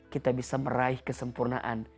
kita bisa meraih kesempurnaan